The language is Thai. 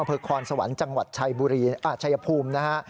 คอนสวรรค์จังหวัดชายภูมินะฮะ